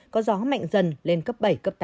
có gió mạnh dần lên cấp bảy tám